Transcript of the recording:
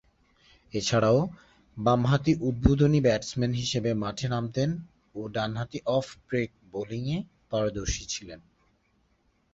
এছাড়াও বামহাতি উদ্বোধনী ব্যাটসম্যান হিসেবে মাঠে নামতেন ও ডানহাতে অফ ব্রেক বোলিংয়ে পারদর্শী ছিলেন।